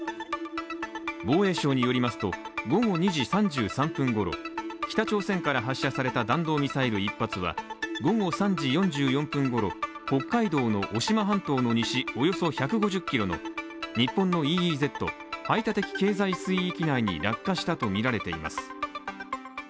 防衛省によりますと午後２時３３分ごろ北朝鮮から発射された弾道ミサイル１発は午後３時４４分頃北海道の渡島半島の西およそ１５０ｋｍの日本のＥＥＺ＝排他的経済水域内に落下したとみられています。